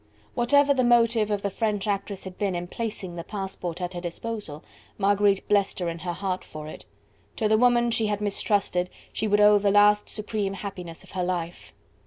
Whatever the motive of the French actress had been in placing the passport at her disposal, Marguerite blessed her in her heart for it. To the woman she had mistrusted, she would owe the last supreme happiness of her life.